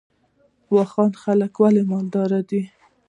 واخان خلک ولې مالدار دي؟